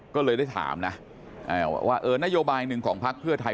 ก็เลยได้ถามนะว่านโยบายหนึ่งของพักเพื่อไทย